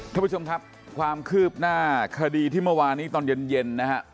ท่านผู้ชมครับความคืบหน้าคดีที่เมื่อวานนี้ตอนเย็นนะฮะ